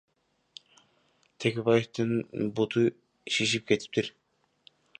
Текебаевдин буту шишип кетиптир.